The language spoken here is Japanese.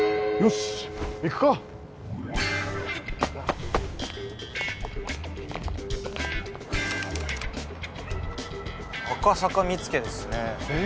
し行くか赤坂見附ですねえっ？